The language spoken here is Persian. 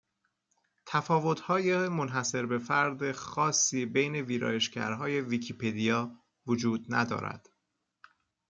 تفاوتهای منحصربهفرد خاصی بین ویرایشگرهای ویکیپدیا وجود ندارد